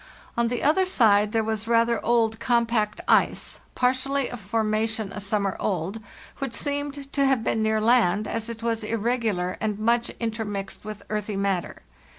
On the other side there was rather old compact ice, partially of formation a summer old, which seemed to have been near land, as it was irregular, and much intermixed with earthy matter.